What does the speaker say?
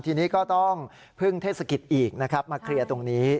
ทีนี้ก็ต้องพึ่งเทศกิจอีกนะครับมาเคลียร์ตรงนี้